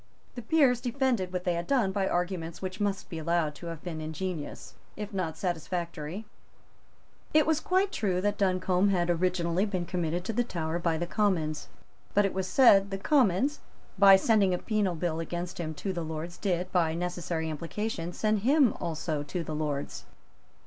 The Peers defended what they had done by arguments which must be allowed to have been ingenious, if not satisfactory. It was quite true that Duncombe had originally been committed to the Tower by the Commons. But, it was said, the Commons, by sending a penal bill against him to the Lords, did, by necessary implication, send him also to the Lords.